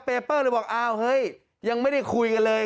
เปเปอร์เลยบอกอ้าวเฮ้ยยังไม่ได้คุยกันเลย